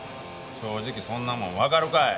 正直そんなもんわかるかい！